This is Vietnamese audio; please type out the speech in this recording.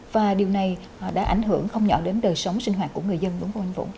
và điều này đã ảnh hưởng không nhỏ đến đời sống sinh hoạt của người dân đúng không anh vũ